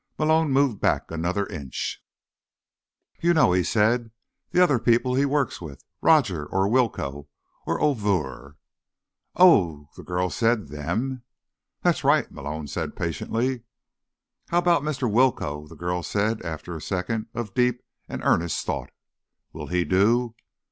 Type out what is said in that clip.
Malone moved back another inch. "You know," he said. "The other people he works with. Rodger, or Willcoe, or O'Vurr." "Oh," the girl said. "Them." "That's right," Malone said patiently. "How about Mr. Willcoe?" the girl said after a second of deep and earnest thought. "Would he do?"